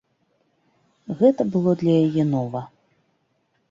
Гэта было для яе нова.